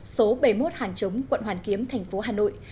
số bảy mươi một hàn chống quận hoàn kiếm tp hà nội